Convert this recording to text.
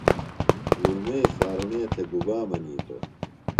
لومئی خارُݨے تھےۡ گُبا منِیتوۡ؟